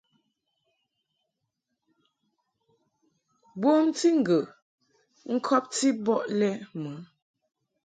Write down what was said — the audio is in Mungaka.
Bomti ŋgə ŋkɔbti bɔ lɛ mɨ.